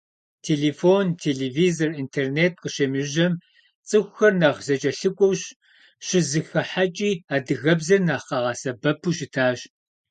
Телефон, телевизор, интернет къыщемыжьэм, цӀыхухэр нэхъ зэкӀэлъыкӀуэу, щызэхыхьэкӀи адыгэбзэр нэхъ къагъэсэбэпу щытащ.